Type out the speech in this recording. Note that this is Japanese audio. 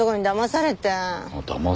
だまされて。